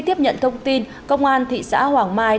tiếp nhận thông tin công an thị xã hoàng mai